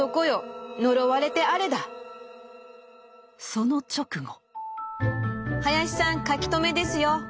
その直後。